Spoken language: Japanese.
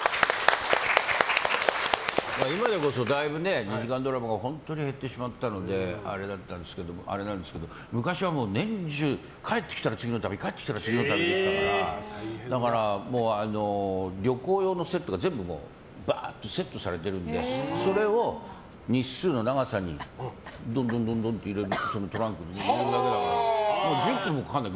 今でこそだいぶ２時間ドラマが本当に減ってしまったのであれなんですけど昔は年中、帰ってきたら次の旅帰ってきたら次の旅でしたからだから、旅行用のセットが全部セットされてるのでそれを日数の長さに、どんどんとトランクに入れるだけだから１０分もかからない。